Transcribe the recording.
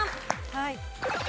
はい。